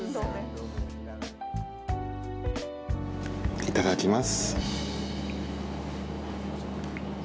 いただきます。